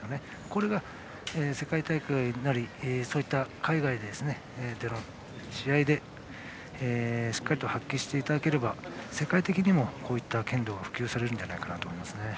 これが世界大会になりそういった海外での試合でしっかりと発揮していただければ世界的にも剣道が普及すると思います。